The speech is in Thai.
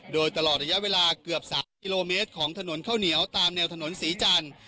โดยตลอดระยะเวลาเกือบ๓กิโลเมตรของถนนข้าวเหนียวตามแนวถนนศรีจันทร์